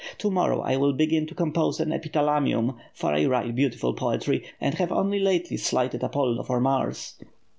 To morrow, I will begin to compose an epithalamium, for I write beautiful poetry, and have only lately slighted Apollo for Mars.''